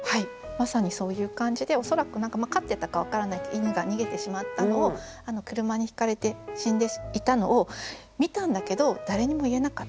まさにそういう感じで恐らく飼ってたか分からないけど犬が逃げてしまったのを車にひかれて死んでいたのを見たんだけど誰にも言えなかった。